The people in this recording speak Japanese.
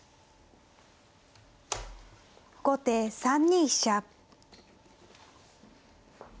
後手３二飛車。